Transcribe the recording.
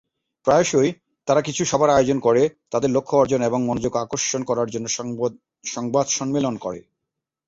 প্রায়শই, তারা কিছু সভার আয়োজন করে, তাদের লক্ষ্য অর্জন এবং মনোযোগ আকর্ষণ করার জন্য সংবাদ সম্মেলন করে।